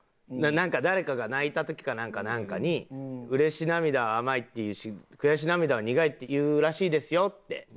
なんか誰かが泣いた時かなんかに嬉し涙は甘いって言うし悔し涙は苦いって言うらしいですよって。